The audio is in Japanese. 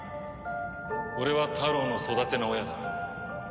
俺はタロウの育ての親だ。